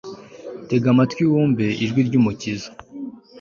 tega amatwi wumve ijwi ryumukiza